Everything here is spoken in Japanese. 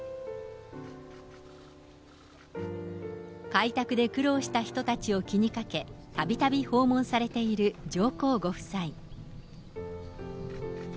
開拓で苦労した人たちを気にかけ、たびたび訪問されている上皇ご夫妻。